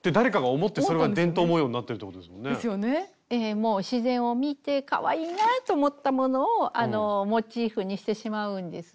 もう自然を見てかわいいなと思ったものをモチーフにしてしまうんですね。